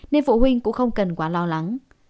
nên phụ huynh cũng không cần quá lo lắng